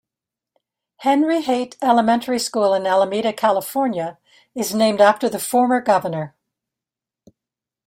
Henry Haight Elementary School in Alameda, California is named after the former governor.